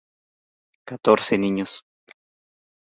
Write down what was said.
Catorce niños.